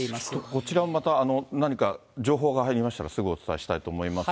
こちらもまた何か情報が入りましたら、すぐお伝えしたいと思います。